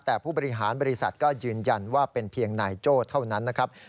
แต่ผู้บริหารบริษัทก็ยืนยันว่าเป็นเพียงนายโจ้เท่านั้นนะครับ